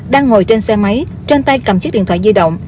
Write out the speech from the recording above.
đang ngồi trên xe máy trên tay cầm chiếc điện thoại di động